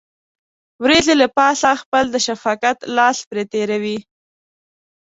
وريځې له پاسه خپل د شفقت لاس پرې تېروي.